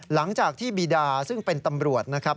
หลังจากที่บีดาซึ่งเป็นตำรวจนะครับ